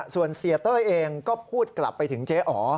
ส่วนเสียเต้ยเองก็พูดกลับไปถึงเจ๊อ๋อ